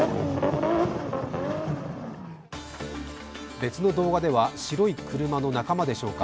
別の動画では白い車の仲間でしょうか？